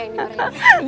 nah aku pengen